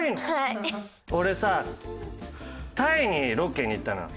俺さタイにロケに行ったのよ。